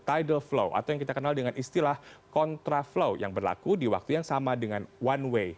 tidal flow atau yang kita kenal dengan istilah kontraflow yang berlaku di waktu yang sama dengan one way